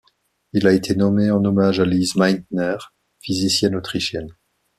Il a été nommé en hommage à Lise Meitner, physicienne autrichienne.